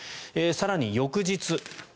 更に翌日。